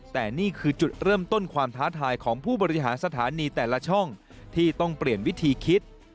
แต่นี่คือจุดเริ่มต้นความท้าทายของผู้บริหารสถานีแต่ละช่องที่ต้องเปลี่ยนวิธีคิด